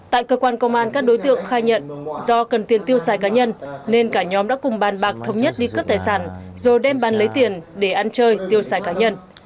tại cơ quan công an các đối tượng khai nhận do cần tiền tiêu xài cá nhân nên cả nhóm đã cùng bàn bạc thống nhất đi cướp tài sản rồi đem bàn lấy tiền để ăn chơi tiêu xài cá nhân